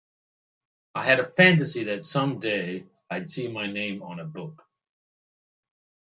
I had a fantasy that someday I'd see my name on a book.